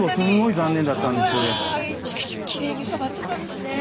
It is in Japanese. しかしきれいに育ってたんですね。